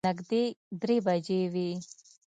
نږدې درې بجې وې.